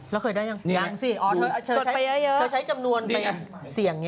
หรือเคยได้ยังไม่น่าสิเธอใช้จำนวนป่อย